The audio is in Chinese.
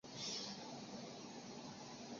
羊臼河站南下昆明方向有六渡河展线。